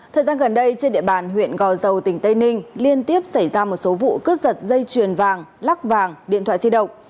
thời gian gần đây trên địa bàn huyện gò dầu tỉnh tây ninh liên tiếp xảy ra một số vụ cướp giật dây chuyền vàng lắc vàng điện thoại di động